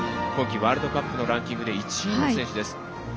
今季、ワールドカップのランキングで１位の選手です。